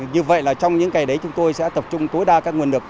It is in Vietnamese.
như vậy là trong những ngày đấy chúng tôi sẽ tập trung tối đa các nguồn lực